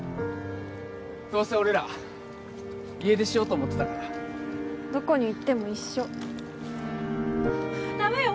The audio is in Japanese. どうせ俺ら家出しようと思ってたからどこに行っても一緒ダメよ